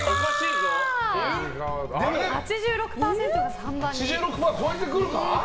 ８６％超えてくるか？